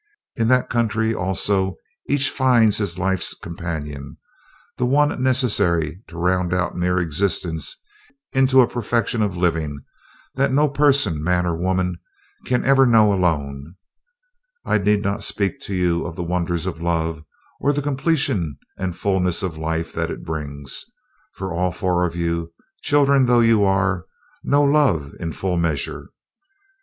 In that country also each finds his life's companion, the one necessary to round out mere existence into a perfection of living that no person, man or woman, can ever know alone. I need not speak to you of the wonders of love or of the completion and fullness of life that it brings, for all four of you, children though you are, know love in full measure.